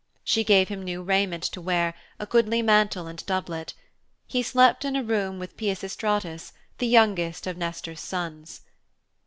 She gave him new raiment to wear, a goodly mantle and doublet. He slept in a room with Peisistratus, the youngest of Nestor's sons.